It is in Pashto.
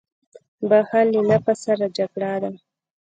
• بښل له نفس سره جګړه ده.